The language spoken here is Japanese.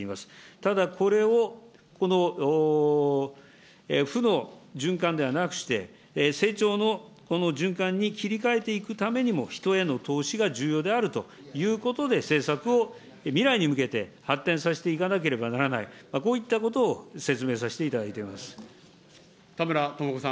ただ、これを負の循環ではなくして、成長のこの循環に切り替えていくためにも、人への投資が重要であるということで、政策を未来に向けて発展させていかなければならない、こういったことを説明させていただい田村智子さん。